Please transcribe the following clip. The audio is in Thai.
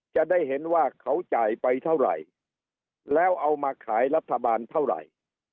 จะได้เห็นว่าเขาจ่ายไปเท่าไหร่แล้วเอามาขายรัฐบาลเท่าไหร่